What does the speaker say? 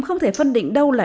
không thể phân định đâu là